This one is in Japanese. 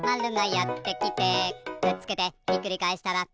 「くっつけてひっくり返したらタコ」